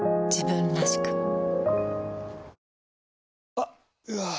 あっ、うわー。